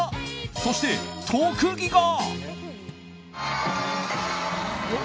そして特技が。